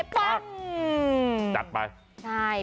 จัดไป